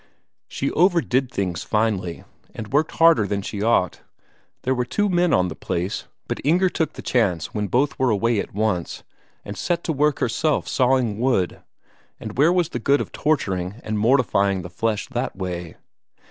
She overdid things finely, and worked harder than she ought. There were two men on the place, but Inger took the chance when both were away at once, and set to work herself sawing wood; and where was the good of torturing and mortifying the flesh that way?